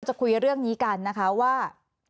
จะคุยเรื่องนี้กันนะคะว่า